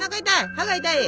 歯が痛い？